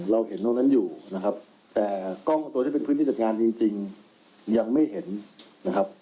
เราเห็นตรงนั้นอยู่นะครับแต่กล้องตัวที่เป็นพื้นที่จัดงานจริงยังไม่เห็นนะครับ